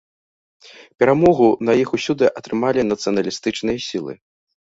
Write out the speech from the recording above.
Перамогу на іх усюды атрымалі нацыяналістычныя сілы.